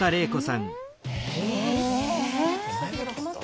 え？